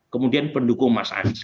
kemudian pendukung mas anies